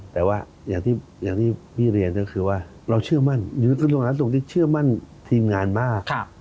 แต่ว่าอย่างที่พี่เรียนก็คือว่าเราเชื่อมั่นอยู่ตรงนั้นตรงที่เชื่อมั่นทีมงานมาก